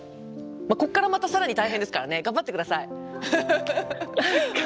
ここからまた更に大変ですからね頑張って下さい。